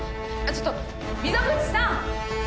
ちょっと溝口さん